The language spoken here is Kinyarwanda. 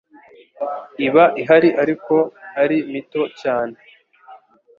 iba ihari ariko ari mito cyane